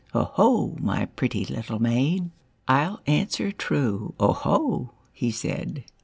''" 0 ho ! my pretty little maid. I'll answer true, 0 ho !" he said.